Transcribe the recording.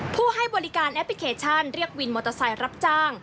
ผู้ให้บริการแอปพลิเคชันเรียกวินมอเตอร์ไซค์รับจ้าง